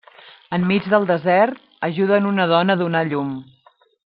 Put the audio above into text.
Enmig del desert, ajuden una dona a donar a llum.